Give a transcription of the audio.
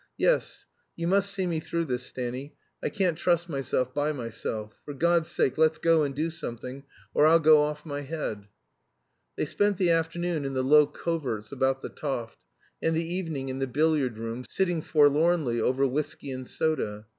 "Yes; you must see me through this, Stanny. I can't trust myself by myself. For God's sake let's go and do something, or I'll go off my head." They spent the afternoon in the low coverts about the Toft, and the evening in the billiard room, sitting forlornly over whiskey and soda.